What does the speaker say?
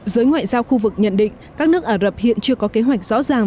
giới ngoại giao khu vực nhận định các nước ả rập hiện chưa có kế hoạch rõ ràng